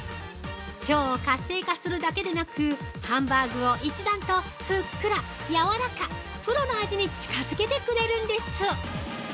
腸を活性化するだけでなくハンバーグを一段とふっくら、やわらかプロの味に近づけてくれるんです。